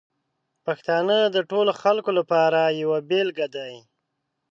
پښتانه د ټولو خلکو لپاره یوه بېلګه دي.